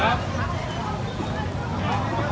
สวัสดีครับ